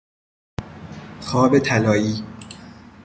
خواب طلایی